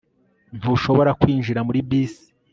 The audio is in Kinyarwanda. Ntushobora kwinjira muri bisi